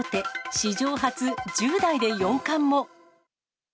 史上初１０代で四冠も。